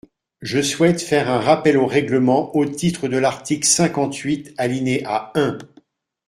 Je souhaite faire un rappel au règlement au titre de l’article cinquante-huit, alinéa un.